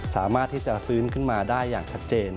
สามารถที่จะฟื้นขึ้นมาได้อย่างชัดเจน